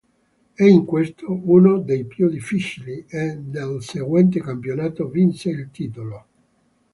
E in questo, uno dei più difficili, e nel seguente campionato, vinse il titolo.